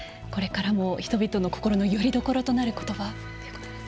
これからも人々の心のよりどころとなる言葉ということですね。